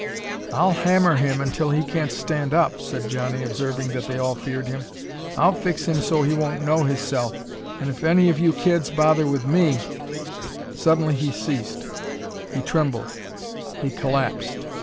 "I'll hammer him until he can't stand up," said Johnnie, observing that they all feared him. "I'll fix him so he won't know hisself, an' if any of you kids bother with me " Suddenly he ceased, he trembled, he collapsed.